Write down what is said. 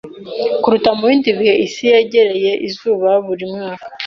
kuruta mubindi bihe Isi yegereye izuba buri mwaka